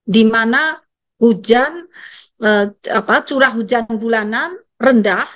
dimana curah hujan bulanan rendah